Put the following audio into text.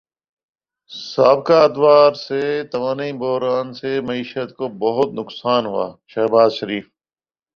سابقہ ادوار میں توانائی بحران سے معیشت کو بیحد نقصان ہوا شہباز شریف